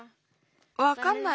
わかんない。